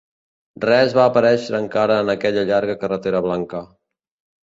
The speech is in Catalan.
Res va aparèixer encara en aquella llarga carretera blanca.